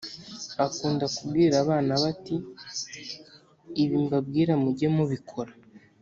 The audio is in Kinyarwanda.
akunda kubwira abana be ati: “ibi mbabwira muge mubikora